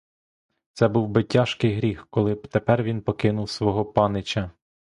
Це був би тяжкий гріх, коли б тепер він покинув свого панича.